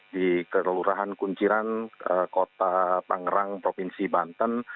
di kelurahan kunciran kota tangerang provinsi banten